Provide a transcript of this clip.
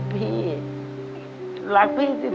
รักพี่ที่สุด